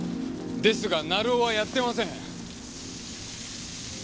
ですが成尾はやってません！